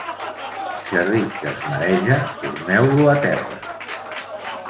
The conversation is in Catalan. Xerric que es mareja, torneu-lo a terra.